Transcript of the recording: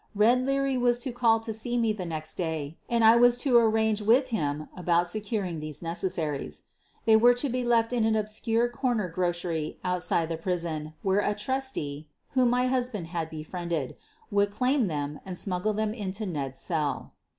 "Red" Leary was to call to see me the next day and I was to arrange with him about securing these necessaries. They were to be left in an obscure corner grocery outside the prison where a *' trusty, '' whom my husband had befriended, would claim them and smuggle them into Ned's cell.